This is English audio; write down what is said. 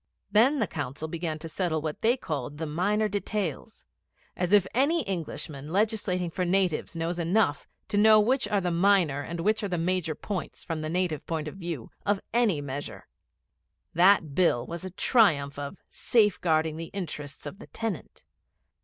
Then the Council began to settle what they called the 'minor details.' As if any Englishman legislating for natives knows enough to know which are the minor and which are the major points, from the native point of view, of any measure! That Bill was a triumph of 'safe guarding the interests of the tenant.'